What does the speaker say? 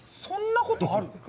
そんなことある？